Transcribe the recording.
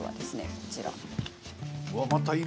こちら。